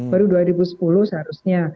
baru dua ribu sepuluh seharusnya